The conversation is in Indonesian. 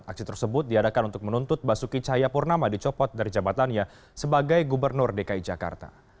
aksi tersebut diadakan untuk menuntut basuki cahayapurnama dicopot dari jabatannya sebagai gubernur dki jakarta